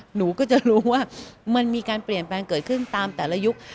หนูก็จะรู้ว่ามันมีการเปลี่ยนแปลงเกิดขึ้นตามแต่ละยุค